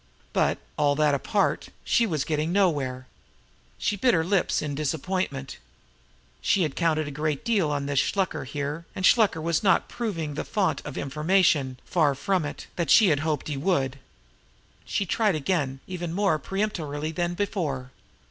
But, all that apart, she was getting nowhere. She bit her lips in disappointment. She had counted a great deal on this Shluker here, and Shluker was not proving the fount of information, far from it, that she had hoped he would. She tried again even more peremptorily than before.